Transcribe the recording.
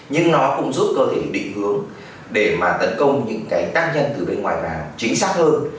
nhưng nó cũng giúp có thể định hướng để mà tấn công những cái tác nhân từ bên ngoài vào chính xác hơn